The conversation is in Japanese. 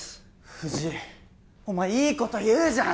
藤井お前いいこと言うじゃん！